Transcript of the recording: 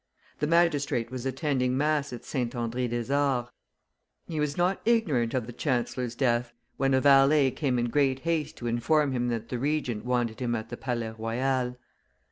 The magistrate was attending mass at St. Andre des Arts; he was not ignorant of the chancellor's death, when a valet came in great haste to inform him that the Regent wanted him at the Palais Royal.